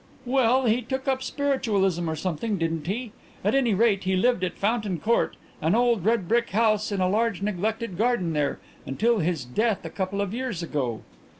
"Well, he took up spiritualism or something, didn't he? At any rate, he lived at Fountain Court, an old red brick house in a large neglected garden there, until his death a couple of years ago.